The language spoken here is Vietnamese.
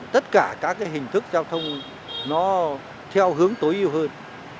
tất cả các hình thức giao thông nó theo hướng tối ưu hơn